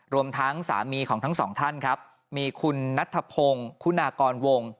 รวมทั้งสามีของทั้งสองท่านครับมีคุณนัทธพงศ์คุณากรวง